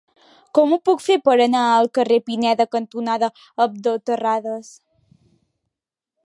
Com ho puc fer per anar al carrer Pineda cantonada Abdó Terradas?